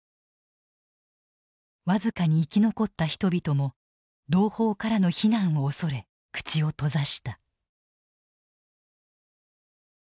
僅かに生き残った人々も同胞からの非難を恐れ口を閉ざした。